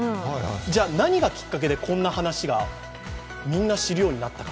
じゃ、何がきっかけでこんな話がみんな知るようになったのか？